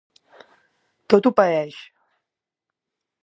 Tot ho paeix.